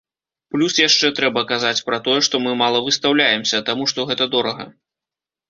Плюс яшчэ трэба казаць пра тое, што мы мала выстаўляемся, таму што гэта дорага.